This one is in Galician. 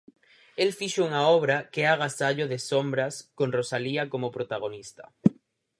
El fixo unha obra que é Agasallo de sombras con Rosalía como protagonista.